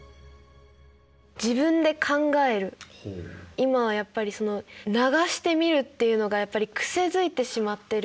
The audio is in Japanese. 今はやっぱり流して見るっていうのがやっぱり癖づいてしまってる。